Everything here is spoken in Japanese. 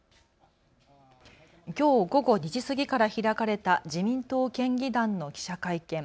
きょう午後２時過ぎから開かれた自民党県議団の記者会見。